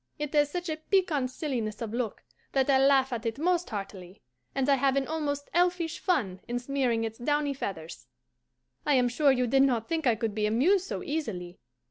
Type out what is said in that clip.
It has such a piquant silliness of look that I laugh at it most heartily, and I have an almost elfish fun in smearing its downy feathers. I am sure you did not think I could be amused so easily.